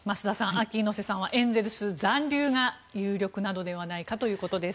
ＡＫＩ猪瀬さんはエンゼルス残留が有力なのではないかということです。